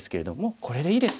これでいいです。